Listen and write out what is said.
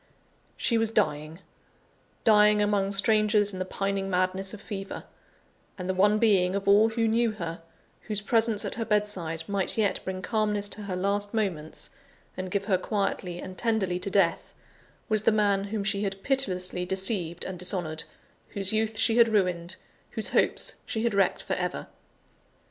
She was dying: dying among strangers in the pining madness of fever and the one being of all who knew her, whose presence at her bedside might yet bring calmness to her last moments, and give her quietly and tenderly to death, was the man whom she had pitilessly deceived and dishonoured, whose youth she had ruined, whose hopes she had wrecked for ever.